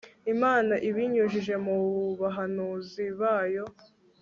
imana ibinyujije mu bahanuzi bayo